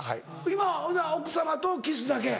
今はほな奥様とキスだけ。